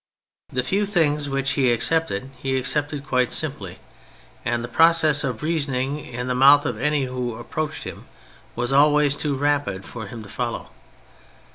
The few things which he accepted he accepted quite simply, and the process of reasoning in the mouth of any who approached him was always too rapid for him to follow.